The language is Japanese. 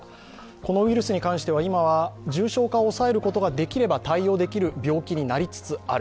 このウイルスに関しては今は重症化を抑えることができれば対応できる病気になりつつある。